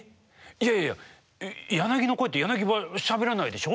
いやいやヤナギの声ってヤナギはしゃべらないでしょ？